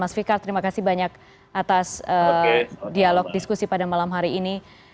mas fikar terima kasih banyak atas dialog diskusi pada malam hari ini